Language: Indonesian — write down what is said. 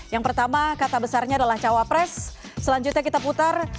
yang pertama kata besarnya adalah cawapres selanjutnya kita putar